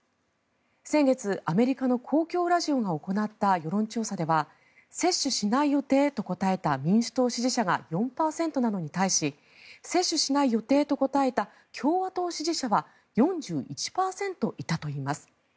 先月、アメリカの公共ラジオが行った世論調査では接種しない予定と答えた民主党支持者が４％なのに対して接種しない予定と答えた共和党支持者は４１％いたといいます。